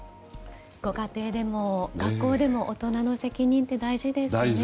ご家庭でも学校でも大人の責任って大事ですね。